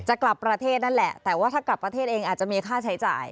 กลับประเทศนั่นแหละแต่ว่าถ้ากลับประเทศเองอาจจะมีค่าใช้จ่าย